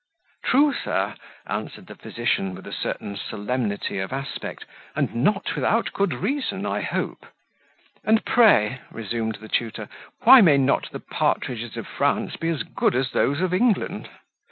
"True, sir," answered the physician, with a certain solemnity of aspect, "and not without good reason, I hope." "And pray," resumed the tutor, "why may not the partridges of France be as good as those of England?"